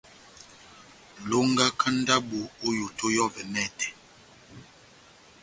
Longaka ndabo ό yoto yɔ́vɛ mɛtɛ.